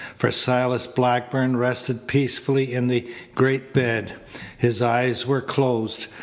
For Silas Blackburn rested peacefully in the great bed. His eyes were closed.